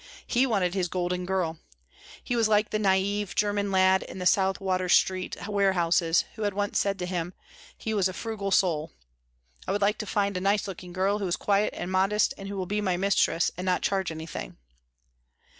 He wanted his golden girl. He was like the naïve German lad in the South Water Street warehouses who had once said to him he was a frugal soul "I would like to find a nice looking girl who is quiet and modest and who will be my mistress and not charge anything."